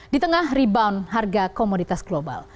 di tengah rebound harga komoditas global